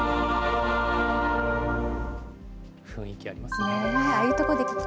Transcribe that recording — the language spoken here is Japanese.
雰囲気ありますね。